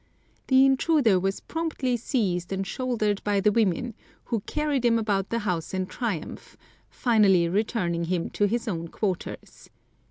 The intruder was promptly seized and shouldered by the women, who carried him about the house in triumph, finally returning him to his own quarters.